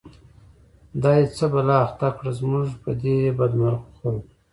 دا دی څه بلا اخته کړه، زموږ په دی بد مرغو خلکو